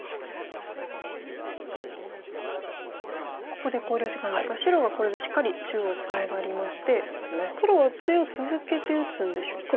ここで考慮時間ですが白はこれでしっかり中央はツナがりまして黒は中央続けて打つんでしょうか。